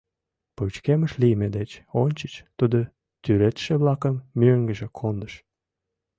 Пычкемыш лийме деч ончыч тудо тӱредше-влакым мӧҥгыжӧ кондыш.